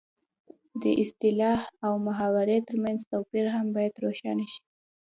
د اصطلاح او محاورې ترمنځ توپیر هم باید روښانه شي